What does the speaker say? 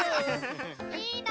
いいな！